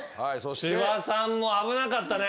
千葉さんも危なかったね。